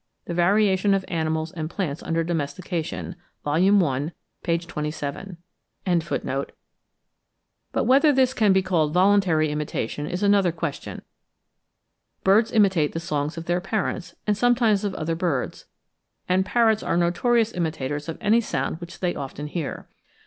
The 'Variation of Animals and Plants under Domestication,' vol. i. p. 27.), but whether this can be called voluntary imitation is another question. Birds imitate the songs of their parents, and sometimes of other birds; and parrots are notorious imitators of any sound which they often hear.